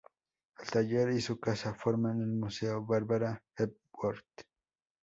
El taller y su casa forman el Museo Barbara Hepworth.